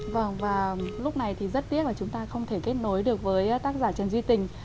vâng và lúc này thì rất tiếc là chúng ta không thể kết nối được với tác giả trần duy tình